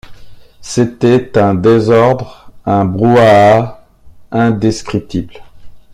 C’était un désordre, un brouhaha indescriptible!